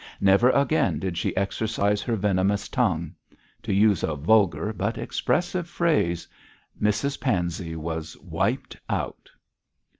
Never again did she exercise her venomous tongue. To use a vulgar but expressive phrase, Mrs Pansey was 'wiped out'.